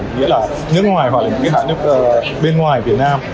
nghĩa là nước ngoài hoặc là nước bên ngoài việt nam